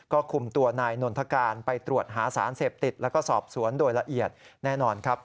ก็คุมตัวนายนนทการไปตรวจหาสารเสพติดแล้วก็สอบสวนโดยละเอียดแน่นอนครับ